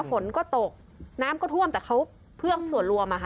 ฝนก็ตกน้ำก็ท่วมแต่เขาเพื่อส่วนรวมอะค่ะ